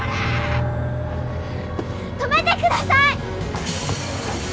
止めてください！